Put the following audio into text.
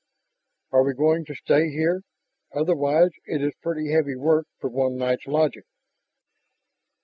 "Are we going to stay here? Otherwise it is pretty heavy work for one night's lodging."